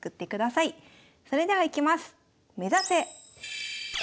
それではいきます。